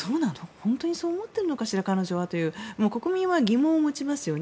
本当にそう思っているのかしら彼女はと国民は疑問を持ちますよね